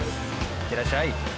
いってらっしゃい！